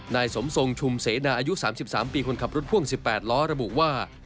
นายสมทรงชุมเสนาอายุ๓๓ปีคนขับรถพ่วง๑๘ล้อระบุว่า